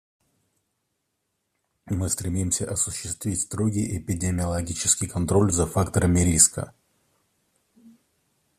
Мы стремимся осуществлять строгий эпидемиологический контроль за факторами риска.